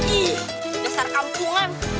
ih dasar kampungan